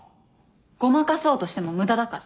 ごまかそうとしても無駄だから。